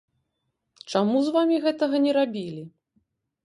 Чаму з вамі гэтага не рабілі?